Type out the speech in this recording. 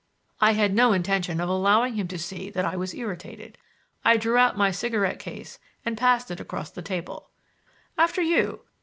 I had no intention of allowing him to see that I was irritated. I drew out my cigarette case and passed it across the table, "After you!